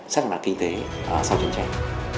xét về mặt kinh tế sau trận trại